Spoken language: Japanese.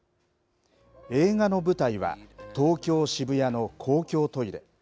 映画の舞台は東京・渋谷の公共トイレ。